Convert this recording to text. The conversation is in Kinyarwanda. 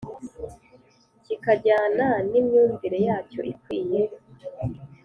kikajyana n’imyumvire yacyo ikwiye